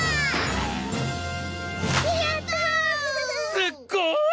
すっごい！